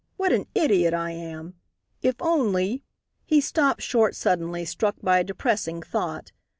What an idiot I am. If only " He stopped short suddenly, struck by a depressing thought.